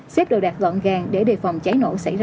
xếp đồ đạc gọn gàng để đề phòng cháy nổ xảy ra